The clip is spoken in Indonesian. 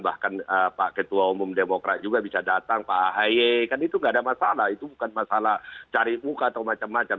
bahkan pak ketua umum demokrat juga bisa datang pak ahaye kan itu nggak ada masalah itu bukan masalah cari muka atau macam macam